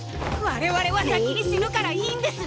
我々は先に死ぬからいいんです！